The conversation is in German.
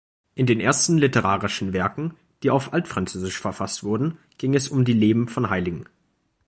In den ersten literarischen Werken, die auf Altfranzösisch verfasst wurden, ging es um die Leben von Heiligen.